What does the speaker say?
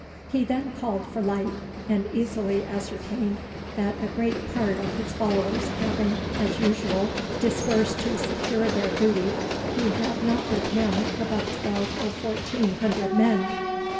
He then called for light, and easily ascertained that a great part of his followers having, as usual, dispersed to secure their booty, he had not with him above twelve or fourteen hundred men.